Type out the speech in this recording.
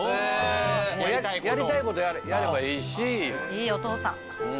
いいお父さん。